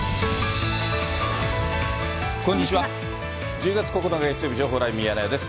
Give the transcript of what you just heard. １０月９日月曜日、情報ライブミヤネ屋です。